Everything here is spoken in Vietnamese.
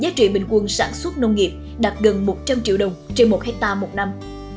giá trị bình quân sản xuất nông nghiệp đạt gần một trăm linh triệu đồng trên một hectare một năm